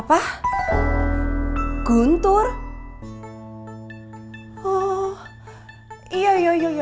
ke ganti deh